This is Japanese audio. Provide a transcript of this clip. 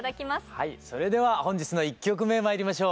はいそれでは本日の１曲目まいりましょう。